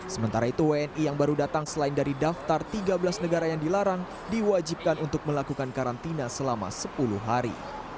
sementara itu wni yang baru datang selain dari daftar tiga belas negara yang dilarang diwajibkan untuk melakukan karantina selama sepuluh hari